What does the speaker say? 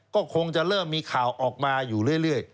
ก็คงจะเริ่มมีข่าวออกมาอยู่เรื่อย